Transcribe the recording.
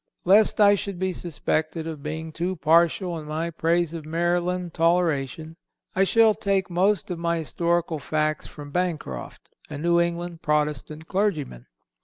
Lest I should be suspected of being too partial in my praise of Maryland toleration, I shall take most of my historical facts from Bancroft, a New England Protestant clergyman.